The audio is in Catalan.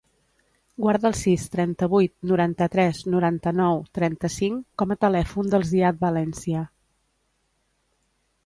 Guarda el sis, trenta-vuit, noranta-tres, noranta-nou, trenta-cinc com a telèfon del Ziad Valencia.